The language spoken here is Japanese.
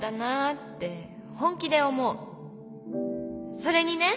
「それにね